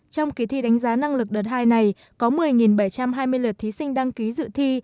trong kỳ thi đánh giá năng lực đợt hai này có một mươi bảy trăm hai mươi lượt thí sinh đăng ký dự thi